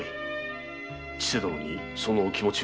千世殿にそのお気持ちを。